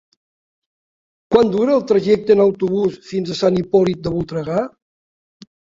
Quant dura el trajecte en autobús fins a Sant Hipòlit de Voltregà?